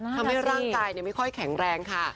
ทำให้ร่างกายไม่ค่อยแข็งแรงค่ะ